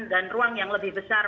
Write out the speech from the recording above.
dan ruang yang lebih besar